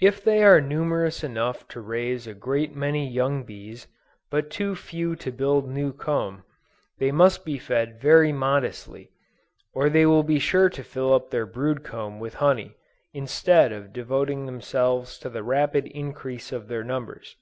If they are numerous enough to raise a great many young bees, but too few to build new comb, they must be fed very moderately, or they will be sure to fill up their brood comb with honey, instead of devoting themselves to the rapid increase of their numbers.